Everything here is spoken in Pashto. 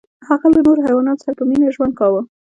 هغه له نورو حیواناتو سره په مینه ژوند کاوه.